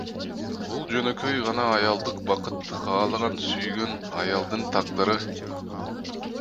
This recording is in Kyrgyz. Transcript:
Бул жөнөкөй гана аялдык бакытты каалаган сүйгөн аялдын тагдыры.